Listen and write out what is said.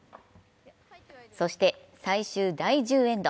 そして、最終第１０エンド。